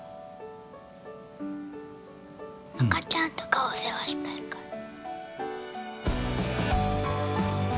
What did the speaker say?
赤ちゃんとかお世話したいから。